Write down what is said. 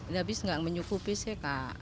tapi tidak mencukupi sih kak